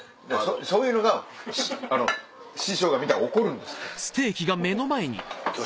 そういうのが師匠が見たら怒るんですって。